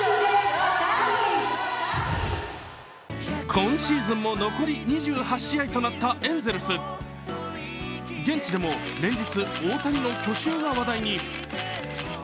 今シーズンも残り２８試合となったエンゼルス現地でも連日、大谷の去就が話題に。